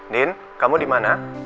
din kamu dimana